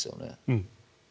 うん。